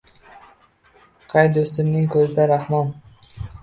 Qay do’stimning ko’zida rahmon